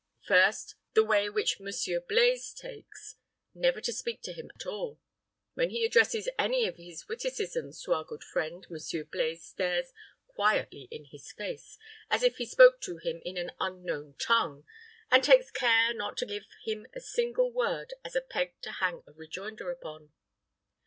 First, the way which Monsieur Blaize takes: never to speak to him at all. When he addresses any of his witticisms to our good friend, Monsieur Blaize stares quietly in his face, as if he spoke to him in an unknown tongue, and takes care not to give him a single word as a peg to hang a rejoinder upon.